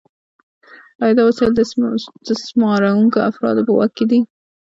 آیا دا وسایل د استثمارونکو افرادو په واک کې دي؟